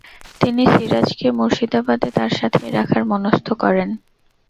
তিনি সিরাজকে মুর্শিদাবাদে তাঁর সাথেই রাখার মনস্থ করেন।